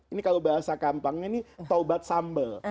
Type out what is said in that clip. ini kalau bahasa kampangnya ini taubat sambal